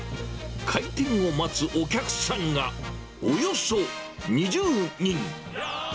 開店を待つお客さんがおよそ２０人。